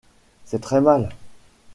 C’est très mal.